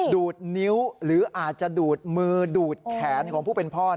ดูดนิ้วหรืออาจจะดูดมือดูดแขนของผู้เป็นพ่อ